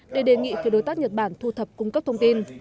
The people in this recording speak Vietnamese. để đề nghị phía đối tác nhật bản thu thập cung cấp thông tin